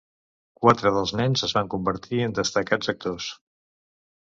Quatre dels nens es van convertir en destacats actors.